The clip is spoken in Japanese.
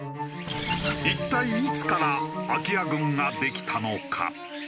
一体いつから空き家群ができたのか？